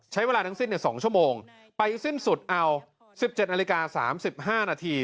ใช้เวลาทั้งสิ้น๒ชั่วโมงไปสิ้นสุดเอา๑๗นาฬิกา๓๕นาที